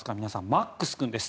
マックス君です。